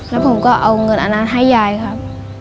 แล้วผมก็เอาเงินอันนั้นให้ยายครับ